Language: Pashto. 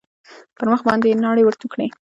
پر مخ باندې يې ناړې ورتو کړې.